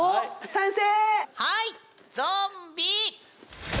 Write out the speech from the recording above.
賛成！